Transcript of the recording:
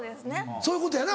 そういうことやな。